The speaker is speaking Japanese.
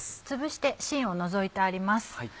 つぶして芯を除いてあります。